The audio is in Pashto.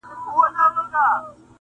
که ګوربت سي زموږ پاچا موږ یو بېغمه٫